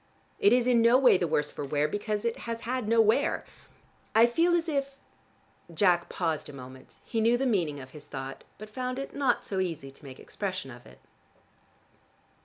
It is in no way the worse for wear, because it has had no wear. I feel as if " Jack paused a moment: he knew the meaning of his thought, but found it not so easy to make expression of it.